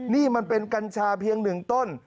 นี่มันเป็นกัญชาเพียง๑ต้น